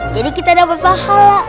jadi kita dapat pahala